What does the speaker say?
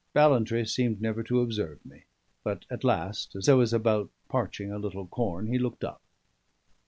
Ballantrae seemed never to observe me; but at last, as I was about parching a little corn, he looked up.